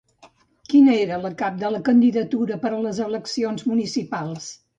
Qui era la cap de la candidatura per a les eleccions municipals?